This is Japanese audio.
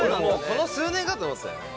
この数年かと思ってたよね。